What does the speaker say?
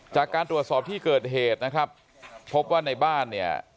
จากการตรวจสอบที่เกิดเหตุนะครับพบว่าในบ้านเนี่ย